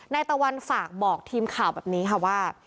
ตะวันฝากบอกทีมข่าวแบบนี้ค่ะว่า